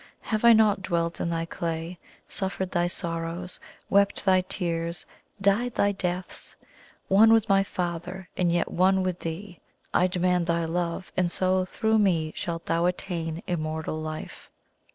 Have I not dwelt in thy clay, suffered thy sorrows, wept thy tears, died thy deaths? One with My Father, and yet one with thee, I demand thy love, and so through Me shalt thou attain immortal life!"